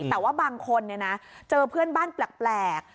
แต่ว่าบางคนเจอเพื่อนบ้านแปลก